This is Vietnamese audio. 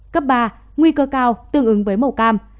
cấp ba nguy cơ cao tương ứng với màu cam